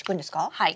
はい。